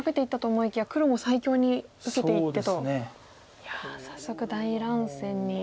いや早速大乱戦に。